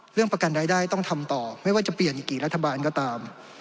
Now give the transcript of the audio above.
ประกันรายได้ต้องทำต่อไม่ว่าจะเปลี่ยนอีกกี่รัฐบาลก็ตาม